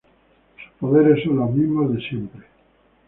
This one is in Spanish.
Sus poderes son los mismos de siempre.